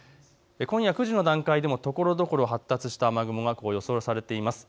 今夜９時の段階でもところどころ発達した雨雲が予想されています。